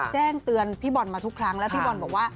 แจ้งเตือนพี่บอลมาทุกครั้งแล้วพี่บอลบอกว่า